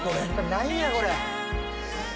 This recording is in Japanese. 何やこれ。